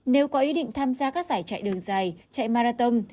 nếu có ý định tham gia các giải chạy đường dài chạy marathon